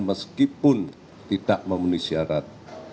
meskipun tidak memenuhi syarat